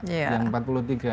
yang empat puluh tiga